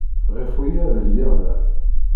Ɣef waya ay lliɣ da.